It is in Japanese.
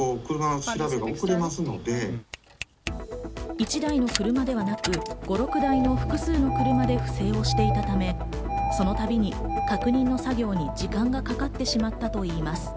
１台の車だけではなく、５６台の複数の車で不正していたため、そのたびに確認の作業に時間がかかってしまったといいます。